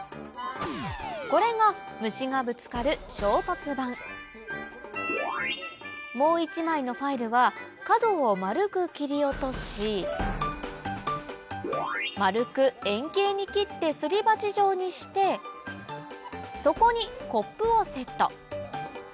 これがもう１枚のファイルは角を丸く切り落とし丸く円形に切ってすり鉢状にして底にコップをセット